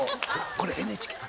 これＮＨＫなの。